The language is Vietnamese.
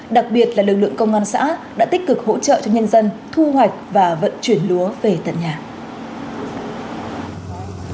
đặc biệt là lực lượng công an xã đã tích cực hỗ trợ cho nhân dân thu hoạch và vận chuyển lúa về tận nhà